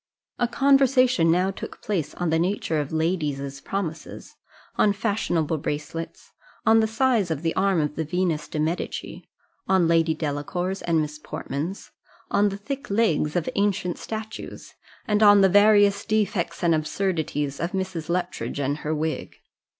A conversation now took place on the nature of ladies' promises on fashionable bracelets on the size of the arm of the Venus de Medici on Lady Delacour's and Miss Portman's on the thick legs of ancient statues and on the various defects and absurdities of Mrs. Luttridge and her wig.